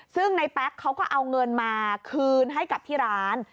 ซึ่งในแป๊กเขาก็เอาเงินมาคืนให้กับที่ร้าน